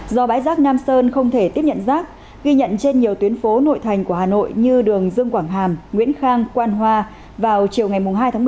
do bãi rác nam sơn không thể tiếp nhận rác ghi nhận trên nhiều tuyến phố nội thành của hà nội như đường dương quảng hàm nguyễn khang quan hoa vào chiều ngày hai tháng một mươi